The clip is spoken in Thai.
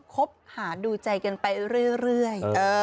ครบหาดูใจไปเรื่อย